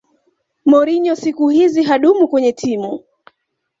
mourinho siku hizi hadumu kwenye timu